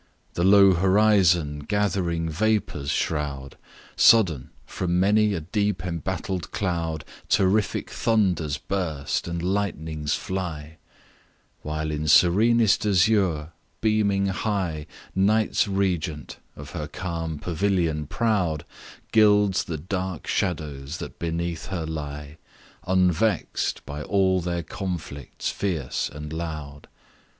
The low horizon gathering vapours shroud, Sudden, from many a deep embattled cloud Terrific thunders burst and lightnings fly While in serenest azure, beaming high, Night's regent, of her calm pavilion proud, Gilds the dark shadows that beneath her lie, Unvex'd by all their conflicts fierce and loud.